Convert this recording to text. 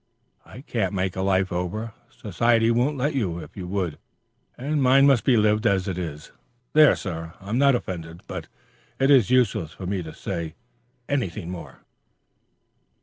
You can't make a life over society wouldn't let you if you would and mine must be lived as it is. There, sir, I'm not offended; but it is useless for you to say anything more."